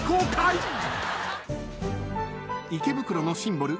［池袋のシンボル